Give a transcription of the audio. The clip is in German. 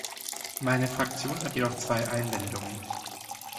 Meine Fraktion hat jedoch zwei Einwendungen.